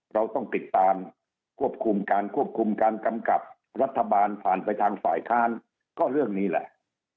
เราต้องติดตามควบคุมการควบคุมการกำกับรัฐบาลผ่านไปทางฝ่ายค้านก็เรื่องนี้แหละ